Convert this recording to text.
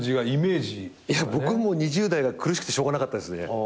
いや僕２０代が苦しくてしょうがなかったですね。